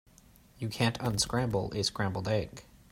You can't unscramble a scrambled egg.